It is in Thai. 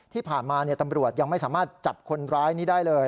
ที่ผ่านมาตำรวจยังไม่สามารถจับคนร้ายนี้ได้เลย